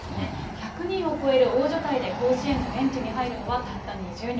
１００人を超える大所帯で甲子園のベンチに入るのはたった２０人。